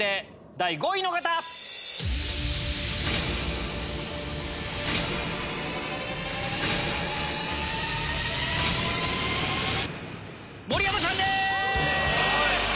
第５位盛山さんです！